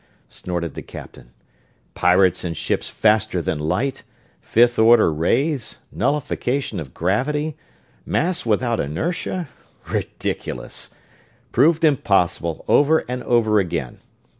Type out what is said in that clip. snorted the captain. "Pirates in ships faster than light fifth order rays nullification of gravity mass without inertia ridiculous! Proved impossible, over and over again.